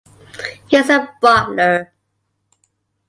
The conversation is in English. He's the butler.